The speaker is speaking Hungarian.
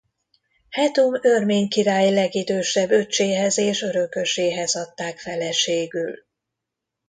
Hetum örmény király legidősebb öccséhez és örököséhez adták feleségül.